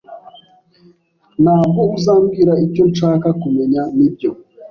Ntabwo uzambwira icyo nshaka kumenya, nibyo?